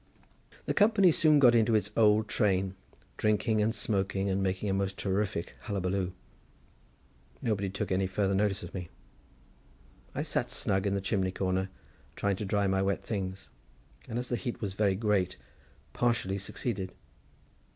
The company soon got into its old train, drinking and smoking and making a most terrific hullabaloo. Nobody took any farther notice of me. I sat snug in the chimney corner, trying to dry my wet things, and as the heat was very great partially succeeded.